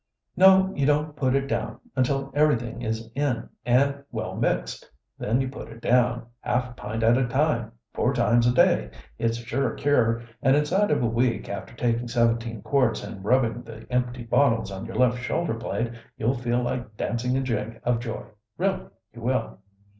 "No, you don't put it down until everything is in and well mixed. Then you put it down, half a pint at a time, four times a day. It's a sure cure, and inside of a week after taking seventeen quarts and rubbing the empty bottles on your left shoulder blade you'll feel like dancing a jig of joy; really, you will."